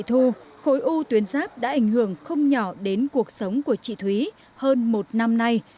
theo chị thu khối u tuyến giáp đã ảnh hưởng không nhỏ đến cuộc sống của chị thúy hơn một năm nay